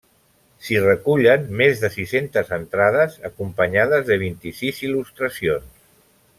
S'hi recullen més de sis-centes entrades acompanyades de vint-i-sis il·lustracions.